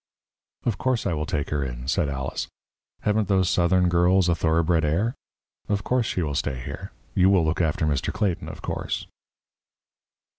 "Of course, I will take her in," said Alice. "Haven't those Southern girls a thoroughbred air? Of course, she will stay here. You will look after Mr. Clayton, of course."